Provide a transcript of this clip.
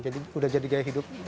jadi udah jadi gaya hidup